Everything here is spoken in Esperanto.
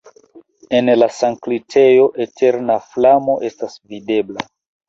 En la sankltejo eterna flamo estas videbla.